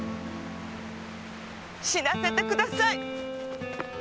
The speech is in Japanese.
死なせてください！